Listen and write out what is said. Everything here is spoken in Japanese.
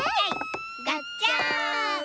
がっちゃん。